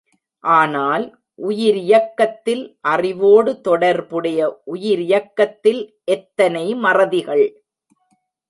ஆனால், உயிரியக்கத்தில் அறிவோடு தொடர்புடைய உயிரியக்கத்தில் எத்தனை மறதிகள்!